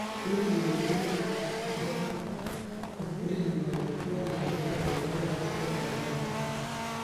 Kundi liliundwa kutoka kwa kundi lililokuwa likiongozwa na Generali Bosco Ntaganda.